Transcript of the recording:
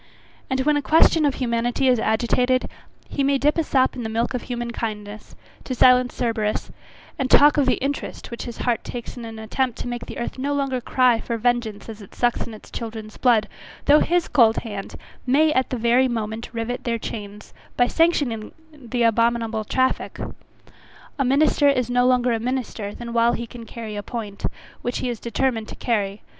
And when a question of humanity is agitated, he may dip a sop in the milk of human kindness, to silence Cerberus, and talk of the interest which his heart takes in an attempt to make the earth no longer cry for vengeance as it sucks in its children's blood, though his cold hand may at the very moment rivet their chains, by sanctioning the abominable traffick. A minister is no longer a minister than while he can carry a point, which he is determined to carry.